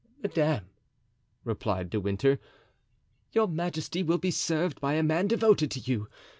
"Madame," replied De Winter, "your majesty will be served by a man devoted to you.